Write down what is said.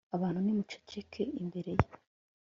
abantu nimucecekere imbere ye